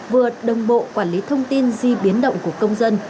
vừa đồng bộ quản lý thông tin di biến động của công dân